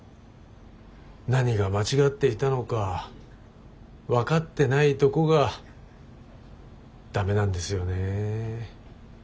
何が間違っていたのか分かってないとこがダメなんですよね。